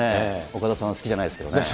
岡田さんは好きじゃないですけれどもね。